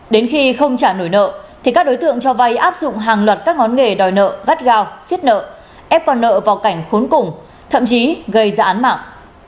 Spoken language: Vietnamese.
đến khi không trả nổi nợ thì các đối tượng cho vay áp dụng hàng loạt các ngón nghề đòi nợ gắt gao xiết nợ ép con nợ vào cảnh khốn cùng thậm chí gây ra án mạng